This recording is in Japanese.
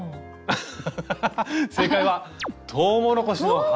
アハハハッ正解は「トウモロコシの花」。